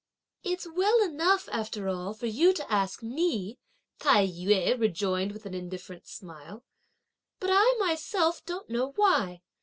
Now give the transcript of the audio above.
"It's well enough, after all, for you to ask me," Tai yü rejoined with an indifferent smile, "but I myself don't know why!